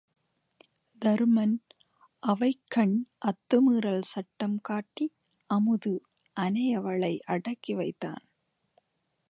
தருமன் அவைக்கண் அத்துமீறல் சட்டம் காட்டி அமுது அனையவளை அடக்கி வைத்தான்.